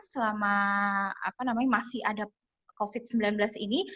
selama masih ada covid sembilan belas ini